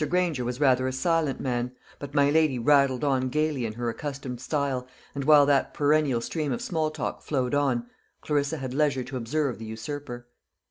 Granger was rather a silent man; but my lady rattled on gaily in her accustomed style, and while that perennial stream of small talk flowed on, Clarissa had leisure to observe the usurper.